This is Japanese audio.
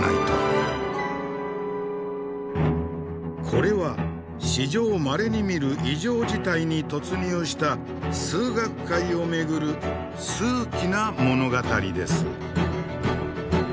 これは史上まれに見る異常事態に突入した数学界を巡る数奇な物語です。